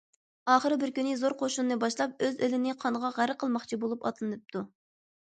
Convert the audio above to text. ئاخىر بىر كۈنى زور قوشۇننى باشلاپ، ئۆز ئېلىنى قانغا غەرق قىلماقچى بولۇپ ئاتلىنىپتۇ.